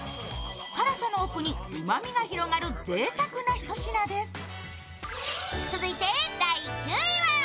辛さの奥にうまみが広がるぜいたくなひと品です。